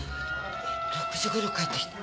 ６時頃帰ってきて。